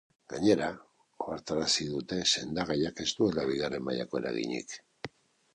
Gainera, ohartarazi dute sendagaiak ez duela bigarren mailako eraginik.